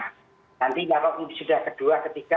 nanti kalau sudah kedua ketiga